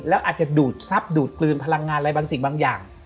แล้วอาจจะดูดทรัพย์ดูดกลืนพลังงานอะไรบางสิ่งบางอย่าง